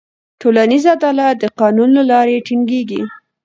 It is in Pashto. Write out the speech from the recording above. ټولنیز عدالت د قانون له لارې ټینګېږي.